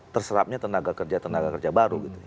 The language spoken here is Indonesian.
terserapnya tenaga kerja tenaga kerja baru gitu